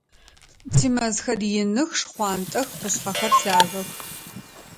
Тимэзхэр иных, шхъуантӏэх, къушъхьэхэр лъагэх.